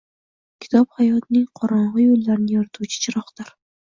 Kitob hayotning qorong‘i yo‘llarini yorituvchi chiroqdir.